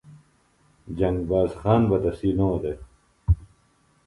جنگ باز خان بہ تسی نو دےۡ